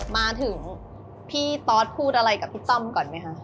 มาถึงพี่ตอสพูดอะไรกับพี่ต้อมก่อนไหมคะ